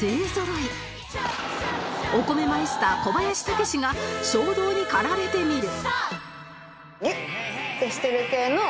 お米マイスター小林健志が衝動に駆られてみる